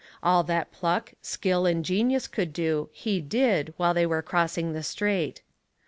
All that pluck, skill, and genius could do he did while they were crossing the strait.